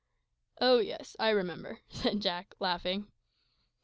"Oh yes! I remember," said Jack, laughing.